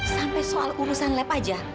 sampai soal urusan lab aja